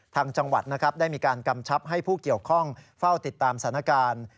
จังหวัดนะครับได้มีการกำชับให้ผู้เกี่ยวข้องเฝ้าติดตามสถานการณ์